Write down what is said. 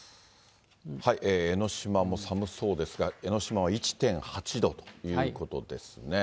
江の島も寒そうですが、江の島は１．８度ということですね。